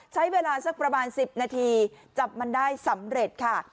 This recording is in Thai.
ใช้เวลาสักประมาณ๑๐นาทีจับมันได้สำเร็จค่ะ